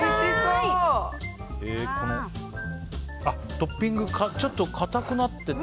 トッピングちょっと硬くなってて。